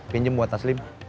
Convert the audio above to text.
pinjem buat tas lim